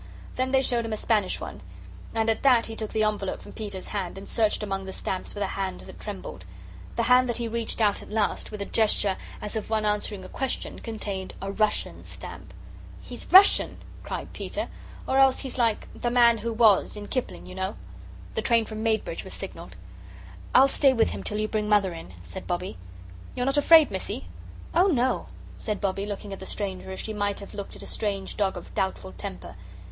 Then they showed him a Spanish one, and at that he took the envelope from Peter's hand and searched among the stamps with a hand that trembled. The hand that he reached out at last, with a gesture as of one answering a question, contained a RUSSIAN stamp. "He's Russian," cried Peter, "or else he's like 'the man who was' in Kipling, you know." The train from Maidbridge was signalled. "I'll stay with him till you bring Mother in," said Bobbie. "You're not afraid, Missie?" "Oh, no," said Bobbie, looking at the stranger, as she might have looked at a strange dog of doubtful temper.